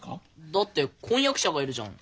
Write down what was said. だって婚約者がいるじゃん。